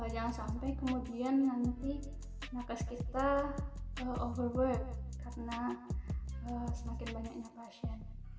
jangan sampai kemudian nanti nakes kita overwer karena semakin banyaknya pasien